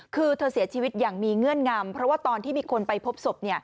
คือเธอเสียชีวิตอย่างมีเงื่อนงำเพราะว่าตอนที่มีคนไปพบศพ